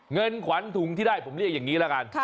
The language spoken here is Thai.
เงินขวัญถุงที่ได้ผมเรียกอย่างนี้ละกัน